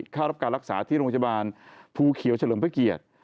เข้ารับการรักษาที่โรงพยาบาลภูเขียวเฉลิมพระเกียรติ